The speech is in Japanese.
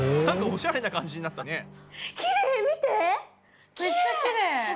なんかおしゃれな感じになったね。